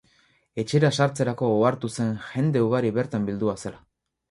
Etxera sartzerako ohartu zen jende ugari bertan bildua zela.